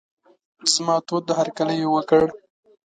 زما تود هرکلی یې وکړ.